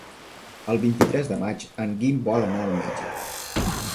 El vint-i-tres de maig en Guim vol anar al metge.